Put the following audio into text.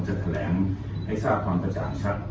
จะแถลงให้ทราบความกระจ่างชัด